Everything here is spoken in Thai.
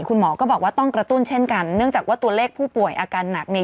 คุณหมอก็บอกว่าต้องกระตุ้นเช่นกันเนื่องจากว่าตัวเลขผู้ป่วยอาการหนักเนี่ย